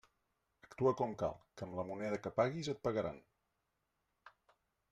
Actua com cal, que amb la moneda que paguis et pagaran.